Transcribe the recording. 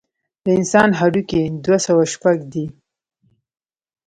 د انسان هډوکي دوه سوه شپږ دي.